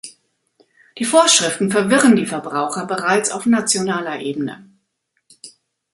Die Vorschriften verwirren die Verbraucher bereits auf nationaler Ebene.